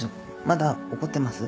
まだ怒ってます？